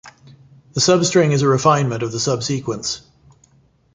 The substring is a refinement of the subsequence.